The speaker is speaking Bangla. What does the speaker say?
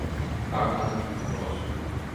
কারন তাকে তুমি ভালোবাসো।